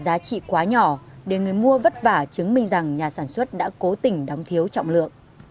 giá trị quá nhỏ để người mua vất vả chứng minh rằng nhà sản xuất đã cố tình đóng thiếu trọng lượng